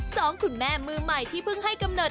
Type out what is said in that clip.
สองคุณแม่มือใหม่ที่เพิ่งให้กำเนิด